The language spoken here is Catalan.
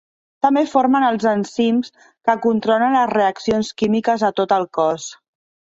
També formen els enzims que controlen les reaccions químiques a tot el cos.